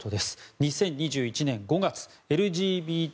２０２１年５月ＬＧＢＴ